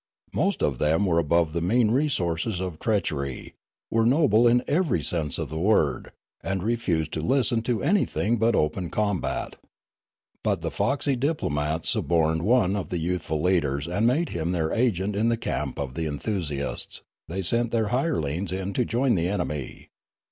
Most of them were above the mean resources of treach Qxy, were noble in every sense of the word, and refused to listen to anything but open combat. But the foxy diplomats suborned one of the youthful leaders and made him their agent in the camp of the enthusiasts ; Noola 407 they sent their hirelings in to join the enemy.